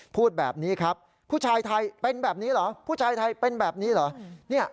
พูดแบบนี้ครับผู้ชายไทยเป็นแบบนี้เหรอ